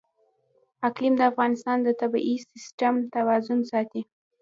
اقلیم د افغانستان د طبعي سیسټم توازن ساتي.